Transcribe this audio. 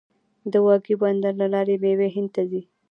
د واګې بندر له لارې میوې هند ته ځي.